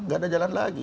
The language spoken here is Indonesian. tidak ada jalan lagi